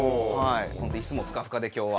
本当椅子もふかふかで今日は。